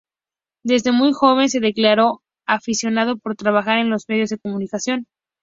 Desde muy joven se declaró aficionado por trabajar en los medios de comunicación.